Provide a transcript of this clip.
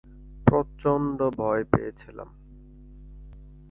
প্রচন্ড ভয় পেয়েছিলাম।